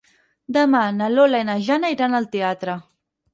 Demà na Lola i na Jana iran al teatre.